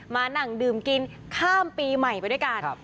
มานั่งดื่มกินข้ามปีใหม่ไปด้วยกัน